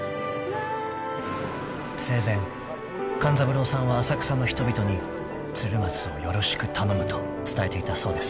［生前勘三郎さんは浅草の人々に「鶴松をよろしく頼む」と伝えていたそうです］